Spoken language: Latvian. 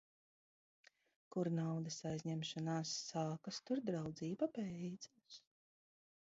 Kur naudas aizņemšanās sākas, tur draudzība beidzas.